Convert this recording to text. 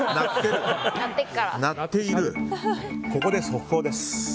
ここで速報です。